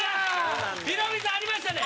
ヒロミさんありましたね。